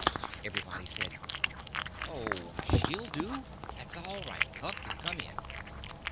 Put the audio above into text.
Everybody said: "Oh, she'll do. That's all right. Huck can come in."